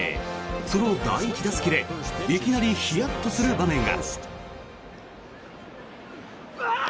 その第１打席でいきなりヒヤッとする場面が。